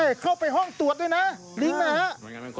ใช่เข้าไปห้องตรวจด้วยนะลิงนะครับ